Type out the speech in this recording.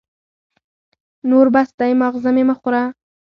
نور بس دی ، ماغزه مي مه خوره !